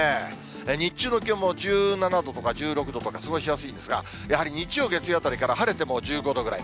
日中の気温も１７度とか１６度とか過ごしやすいんですが、やはり日曜、月曜あたりから晴れても１５度ぐらい。